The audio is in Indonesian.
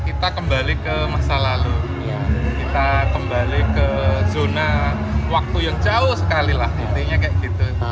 kita kembali ke masa lalu kita kembali ke zona waktu yang jauh sekali lah intinya kayak gitu